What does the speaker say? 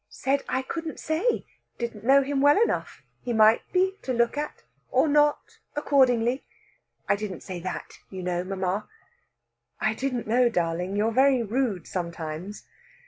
"Said I couldn't say didn't know him well enough. He might be, to look at. Or not, accordingly. I didn't say that, you know, mamma." "I didn't know, darling. You're very rude sometimes."